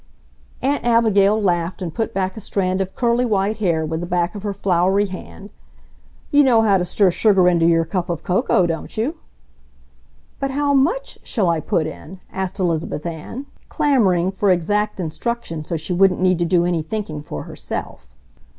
Aunt Abigail laughed and put back a strand of curly white hair with the back of her floury hand. "You know how to stir sugar into your cup of cocoa, don't you?" "But how MUCH shall I put in?" asked Elizabeth Ann, clamoring for exact instruction so she wouldn't need to do any thinking for herself.